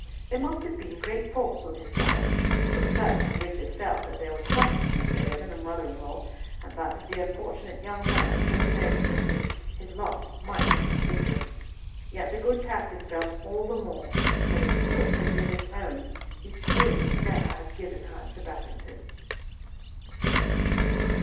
There must have been great faults on his side; yet certainly Richard felt that there was some excuse for him in the mother in law, and that if the unfortunate young man could have married Cicely his lot might have been different. Yet the good Captain felt all the more that if Cis had been his own he still would never have given her to Babington.